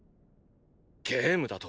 ゲームだと？